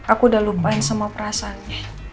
aku udah lupain semua perasaannya